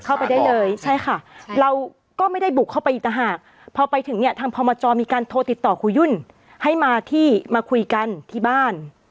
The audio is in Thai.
เข้าไปได้เลยใช่ค่ะเราก็ไม่ได้บุกเข้าไปอีกต่างหากพอไปถึงเนี่ยทางพมจมีการโทรติดต่อครูยุ่นให้มาที่มาคุยกันที่บ้าน